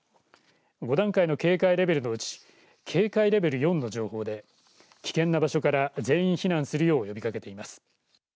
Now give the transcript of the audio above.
５段階の警戒レベルのうち警戒レベル４の情報で危険な場所から全員避難するよう呼びかけています。